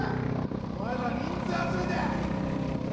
お前ら人数集めて。